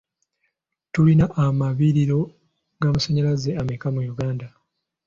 Tulina amabibiro g'amasannyalaze ameka mu Uganda?